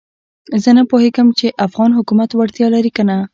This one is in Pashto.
زه نه پوهېږم چې افغان حکومت وړتیا لري کنه.